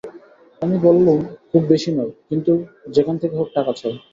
আমি বললুম, খুব বেশি নয়, কিন্তু যেখান থেকে হোক টাকা চাই।